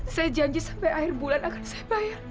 saya janji sampai akhir bulan akan saya bayar